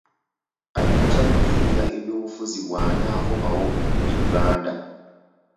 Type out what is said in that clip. Ajja kuyingira ebyobufuzi bw'anaakomawo mu Uganda.